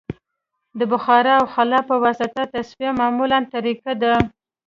د بخار او خلا په واسطه تصفیه معموله طریقه ده